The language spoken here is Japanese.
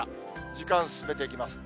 時間進めていきます。